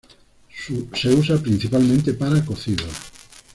Se usa principalmente para cocidos.